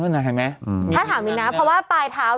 ถ้าถามอีกนะเพราะว่าปลายเท้า